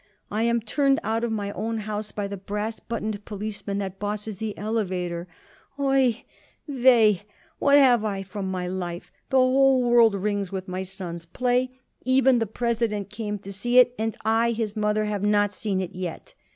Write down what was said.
"I am turned out of my own house by the brass buttoned policeman that bosses the elevator. Oi i i i! Weh h h h! what have I from my life? The whole world rings with my son's play. Even the President came to see it, and I, his mother, have not seen it yet.